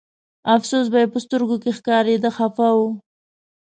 افسوس به یې په سترګو کې ښکارېده خپه و.